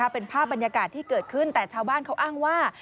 เป็นภาพบรรยากาศที่เกิดขึ้นแต่ชาวบ้านเขาอ้างว่า